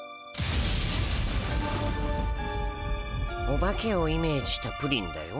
オバケをイメージしたプリンだよ。